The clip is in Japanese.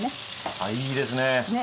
あいいですね。ね。